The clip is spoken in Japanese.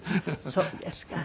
そうですか。